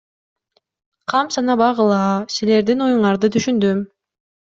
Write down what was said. Кам санабагыла, силердин оюңарды түшүндүм.